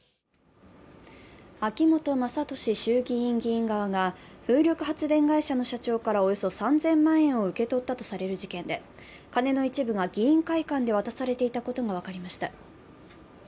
秋本真利衆院議員側が風力発電会社の社長からおよそ３０００万円を受け取ったとされる事件で金の一部が議員会館で渡されていたことが分かりました。